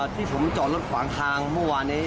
ที่ผมจอดรถขวางทางเมื่อวานนี้